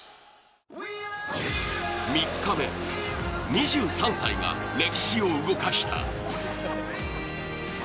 ３日目、２３歳が歴史を動かした。